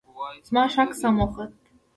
زما شک سم وخوت .